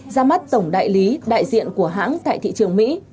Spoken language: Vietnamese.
ra mắt tổng đại lý đại diện của hãng tại thị trường mỹ